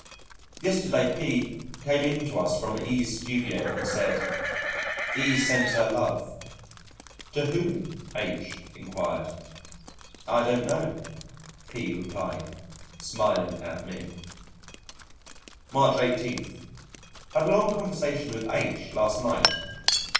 Yesterday P came in to us from E 's studio and said, "E sends her love." "To whom?" H inquired. "I don't know," P replied, smiling at me. March 18. Had a long conversation with H last night.